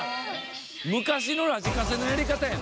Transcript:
昔のラジカセのやり方やね。